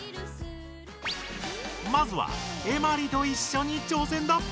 まずはエマリといっしょに挑戦だ！